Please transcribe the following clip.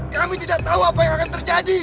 kami tidak tahu apa yang akan terjadi